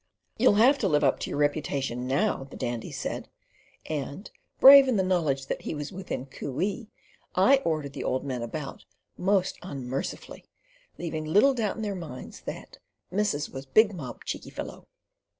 "You'll have to live up to your reputation now," the Dandy said, and, brave in the knowledge that he was within cooee, I ordered the old men about most unmercifully, leaving little doubt in their minds that "missus was big mob cheeky fellow."